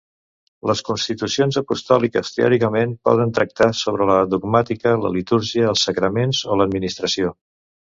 Les constitucions apostòliques, teòricament, poden tractar sobre la dogmàtica, la litúrgia, els sacramentals, o l'administració.